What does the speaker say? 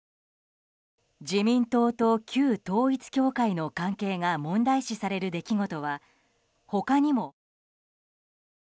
自民党と旧統一教会の関係が問題視される出来事は他にも。